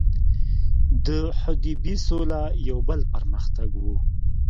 د حدیبې سوله یو بل پر مختګ وو.